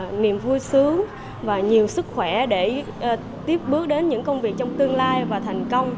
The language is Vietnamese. và tràn đầy niềm vui sướng và nhiều sức khỏe để tiếp bước đến những công việc trong tương lai và thành công